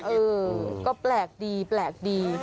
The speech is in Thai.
เออก็แปลกดี